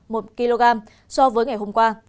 một kg so với ngày hôm qua